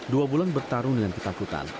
dua bulan bertarung dengan ketakutan